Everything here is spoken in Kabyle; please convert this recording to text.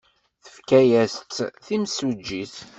Tefka-as-tt timsujjit.